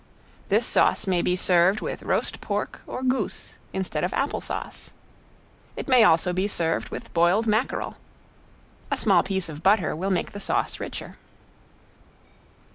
This sauce may be served with roast pork or goose instead of apple sauce. It may also be served with boiled mackerel. A small piece of butter will make the sauce richer.